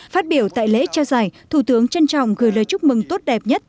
phát biểu tại lễ trao giải thủ tướng trân trọng gửi lời chúc mừng tốt đẹp nhất